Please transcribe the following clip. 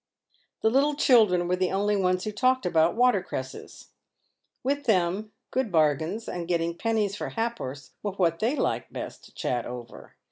The little children were the only ones who talked about water cresses. With them "good bargains" and getting pennies for ha'porths, were what they best liked to chat over.